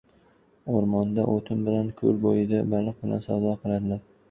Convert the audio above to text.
• O‘rmonda o‘tin bilan, ko‘l bo‘yida baliq bilan savdo qiladilar.